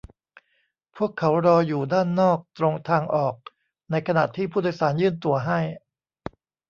พวกเขารออยู่ด้านนอกตรงทางออก ในขณะที่ผู้โดยสารยื่นตั๋วให้